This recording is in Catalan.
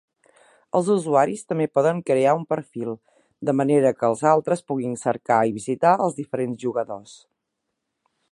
Els usuaris també poden crear un perfil, de manera que els altres puguin cercar i visitar els diferents jugadors.